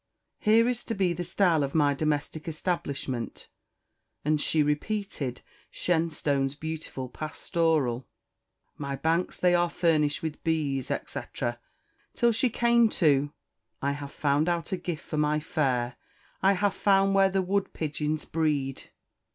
Here is to be the style of my domestic establishment;" and she repeated Shenstone's beautiful pastoral "My banks they are furnished with bees," etc., till she came to "I have found out a gift for my fair, I have found where the wood pigeons breed."